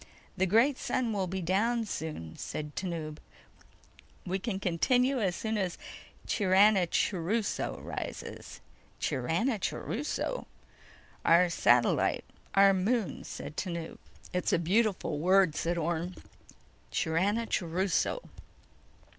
"The great sun will be down soon," said Tanub. "We can continue as soon as Chiranachuruso rises." "Chiranachuruso?" "Our satellite ... our moon," said Tanub. "It's a beautiful word," said Orne. "Chiranachuruso."